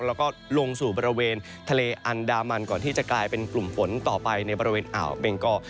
แล้วก็ลงสู่บริเวณทะเลอันดามันก่อนที่จะกลายเป็นกลุ่มฝนต่อไปในบริเวณอ่าวเบงกอ